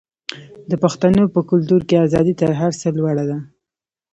د پښتنو په کلتور کې ازادي تر هر څه لوړه ده.